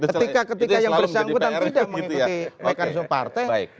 ketika ketika yang bersangkutan tidak mengikuti mekanisme partai